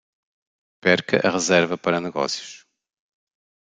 Perca a reserva para negócios